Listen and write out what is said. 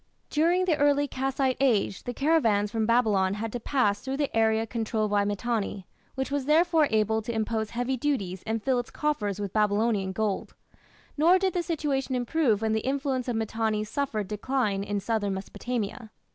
During the early Kassite Age the caravans from Babylon had to pass through the area controlled by Mitanni, which was therefore able to impose heavy duties and fill its coffers with Babylonian gold. Nor did the situation improve when the influence of Mitanni suffered decline in southern Mesopotamia.